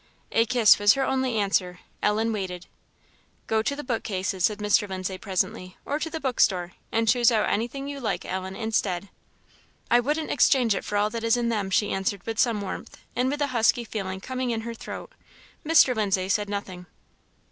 A kiss was her only answer. Ellen waited. "Go to the bookcases," said Mr. Lindsay, presently, "or to the book store, and choose out anything you like, Ellen, instead." "I wouldn't exchange it for all that is in them!" she answered with some warmth, and with the husky feeling coming in her throat. Mr. Lindsay said nothing.